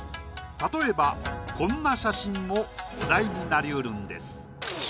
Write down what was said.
例えばこんな写真もお題になりうるんです。